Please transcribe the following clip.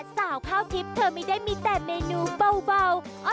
สาวข้าวทิพย์เธอไม่ได้มีแต่เมนูเบา